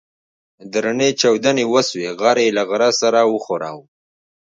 درنې چاودنې وسوې غر يې له غره سره وښوراوه.